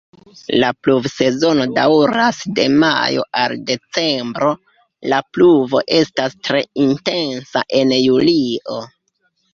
La pluvsezono daŭras de majo al decembro, la pluvo estas tre intensa en julio.